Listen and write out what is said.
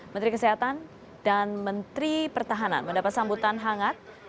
menteri kesehatan dan menteri pertahanan mendapat sambutan hangat